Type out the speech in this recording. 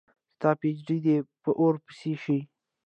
ستا پي ایچ ډي په اوور پسي شه